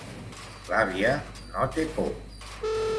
L'àvia no té por.